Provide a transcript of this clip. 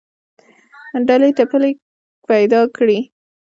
ډلې ټپلې پیدا کړې